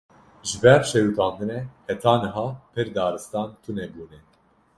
Ji ber şewitandinê, heta niha pir daristan tune bûne